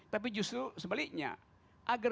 tapi justru sebaliknya